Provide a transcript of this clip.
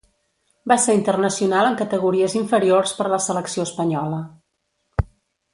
Va ser internacional en categories inferiors per la selecció espanyola.